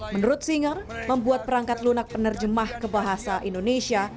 menurut singer membuat perangkat lunak penerjemah kebahasa indonesia